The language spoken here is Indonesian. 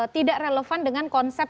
tidak relevan dengan konsep